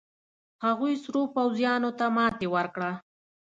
هغوې سرو پوځيانو ته ماتې ورکړه.